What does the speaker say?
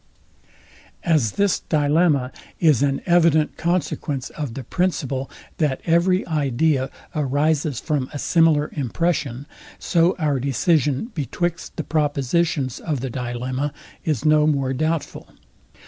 As this dilemma is an evident consequence of the principle, that every idea arises from a similar impression, so our decision betwixt the propositions of the dilemma is no more doubtful.